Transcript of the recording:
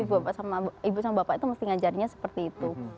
ibu sama bapak itu mesti ngajarinya seperti itu